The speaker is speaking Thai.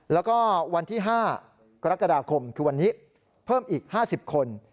แล้วก็วันที่๕กรกฎาคมคือวันนี้เพิ่มอีก๕๐คน